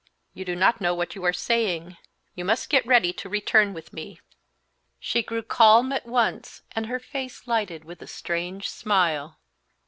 "You do not know what you are saying. You must get ready to return with me." She grew calm at once and her face lighted with a strange smile.